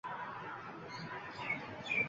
Butun er yuzida mendan baxtli odam yo`q